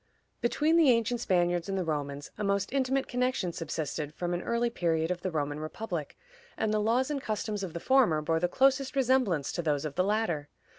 Between the ancient Spaniards and the Romans a most intimate connection subsisted from an early period of the Roman republic, and the laws and customs of the former bore the closest resemblance to those of the latter.